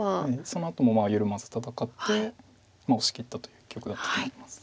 そのあとも緩まず戦って押しきったという一局だったと思います。